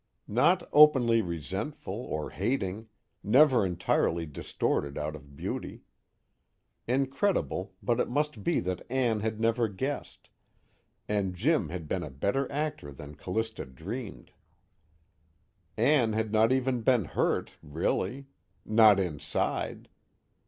Not openly resentful or hating, never entirely distorted out of beauty. Incredible, but it must be that Ann had never guessed, and Jim had been a better actor than Callista dreamed. Ann had not even been hurt, really; not inside.